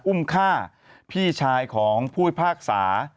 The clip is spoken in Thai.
อุ้มฆ่าพี่ชายของผู้พิพากษา